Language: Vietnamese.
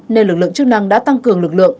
nên lực lượng chức năng đã tăng cường lực lượng